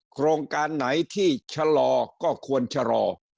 โครงการไหนที่ชะลอก็ควรชะลอ